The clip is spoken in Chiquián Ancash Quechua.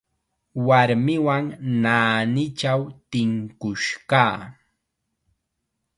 Warmiwan naanichaw tinkush kaa.